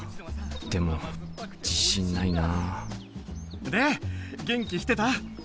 でも自信ないなで元気してた？